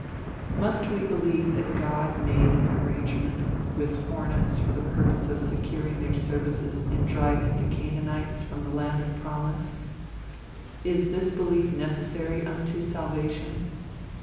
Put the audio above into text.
Must we believe that God made an arrangement with hornets for the purpose of securing their services in driving the Canaanites from the land of promise? Is this belief necessary unto salvation?